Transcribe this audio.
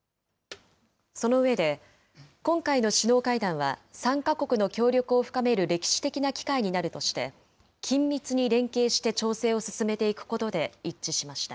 その上で、今回の首脳会談は、３か国の協力を深める歴史的な機会になるとして、緊密に連携して調整を進めていくことで一致しました。